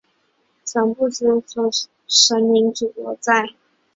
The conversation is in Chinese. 曾不知其先祖神灵所在。